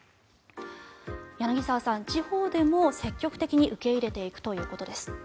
柳澤さん、地方でも積極的に受け入れていくということです。